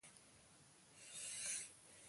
ازادي راډیو د امنیت په اړه د محلي خلکو غږ خپور کړی.